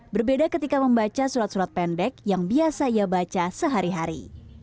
berbeda ketika membaca surat surat pendek yang biasa ia baca sehari hari